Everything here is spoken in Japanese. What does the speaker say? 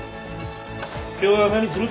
今日は何にする？